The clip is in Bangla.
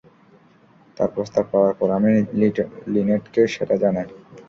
তার প্রস্তাব পাওয়ার পর আমি লিনেটকে সেটা জানাই।